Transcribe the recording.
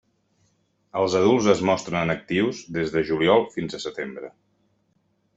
Els adults es mostren actius des de juliol fins a setembre.